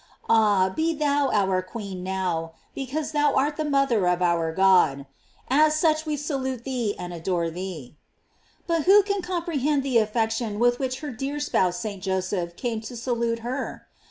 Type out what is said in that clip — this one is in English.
Ah! be thou our queen now, because thou art the mother of our God; as such we salute thee and adore thee. But who can comprehend the affection with which her dear spouse St. Joseph 504 GLORIES OF MARY. came to salute her